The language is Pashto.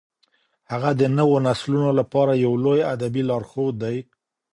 هغه د نوو نسلونو لپاره یو لوی ادبي لارښود دی.